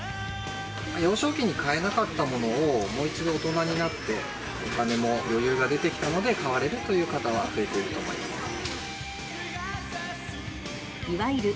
幼少期に買えなかったものを、もう一度大人になってお金も余裕が出てきたので、買われるという方は増えていると思います。